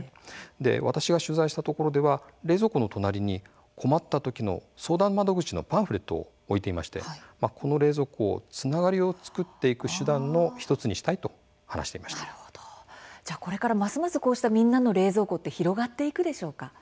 私が取材したところでは冷蔵庫の隣に困ったときの相談窓口のパンフレットを置いていましてこの冷蔵庫をつながりを作っていく手段の１つにしたいとこれからますますみんなの冷蔵庫広がっていくんでしょうか。